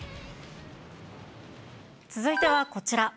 続いてはこちら。